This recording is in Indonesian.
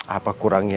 apa kurangnya dia